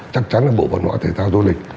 chắc chắn bộ văn hóa thể thao du lịch